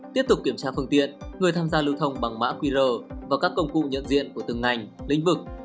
tiếp tục kiểm tra phương tiện người tham gia lưu thông bằng mã qr và các công cụ nhận diện của từng ngành lĩnh vực